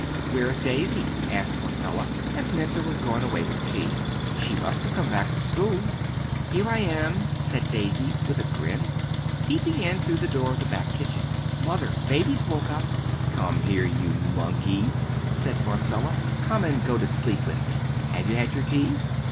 "Where is Daisy?" asked Marcella as Minta was going away with the tea; "she must have come back from school." "Here I am," said Daisy, with a grin, peeping in through the door of the back kitchen. "Mother, baby's woke up." "Come here, you monkey," said Marcella; "come and go to sleep with me. Have you had your tea?"